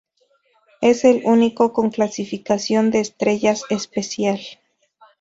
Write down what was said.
Es el único con clasificación de estrellas especial.